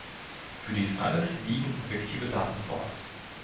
Für dies alles liegen objektive Daten vor.